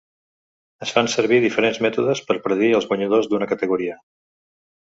Es fan servir diferents mètodes per predir els guanyadors d'una categoria.